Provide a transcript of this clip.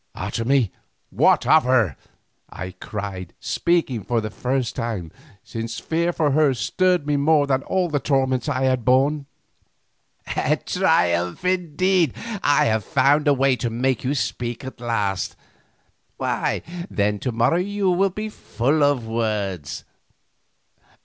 "Otomie, what of her?" I cried, speaking for the first time, since fear for her stirred me more than all the torments I had borne. "A triumph indeed; I have found a way to make you speak at last; why, then, to morrow you will be full of words.